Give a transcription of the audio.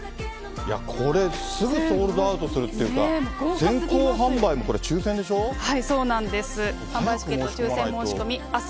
これ、すぐソールドアウトするっていうか、先行販売もこれ、全国の皆さん、こんにちは。